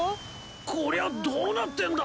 こりゃどうなってんだ？